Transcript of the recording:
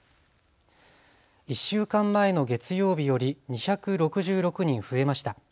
１週間前の月曜日より２６６人増えました。